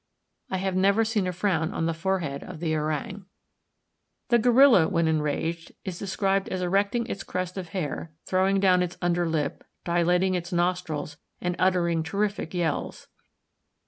I have never seen a frown on the forehead of the orang. The gorilla, when enraged, is described as erecting its crest of hair, throwing down its under lip, dilating its nostrils, and uttering terrific yells.